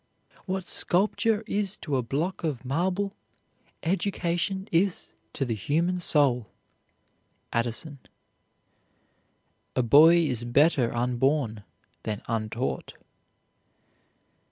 What sculpture is to a block of marble, education is to the human soul. ADDISON. A boy is better unborn than untaught.